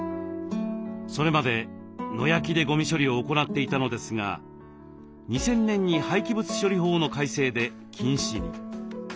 それまで野焼きでゴミ処理を行っていたのですが２０００年に廃棄物処理法の改正で禁止に。